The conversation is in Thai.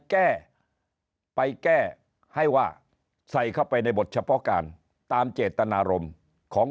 แก้ไปแก้ให้ว่าใส่เข้าไปในบทเฉพาะการตามเจตนารมณ์ของ